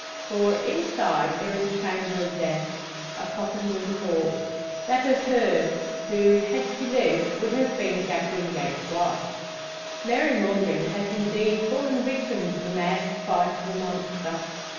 For, inside there is a chamber of death; a coffin with a corpse that of her, who, had she lived, would have been Jack Wingate's wife. Mary Morgan has indeed fallen victim to the mad spite of a monster.